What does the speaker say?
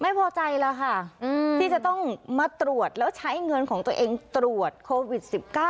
ไม่พอใจแล้วค่ะที่จะต้องมาตรวจแล้วใช้เงินของตัวเองตรวจโควิด๑๙